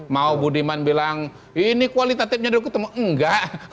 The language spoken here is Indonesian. mau budiman bilang ini kualitatifnya dari ketumbo nggak